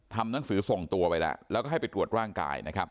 ทำหนังสือส่งตัวไปแล้วแล้วก็ให้ไปตรวจร่างกายนะครับ